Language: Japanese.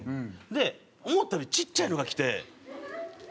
で思ったよりちっちゃいのがきて。